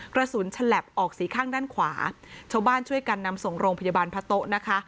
ฉลับออกสีข้างด้านขวาชาวบ้านช่วยกันนำส่งโรงพยาบาลพะโต๊ะนะคะ